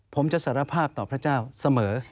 ผมจะสารภาพต่อพระเจ้าเสมอ